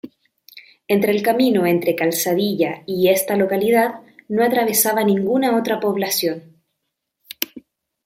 Entre el camino entre Calzadilla y esta localidad no atravesaba ninguna otra población.